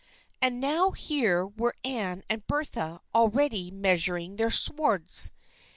And now here were Anne and Bertha already measuring their swords.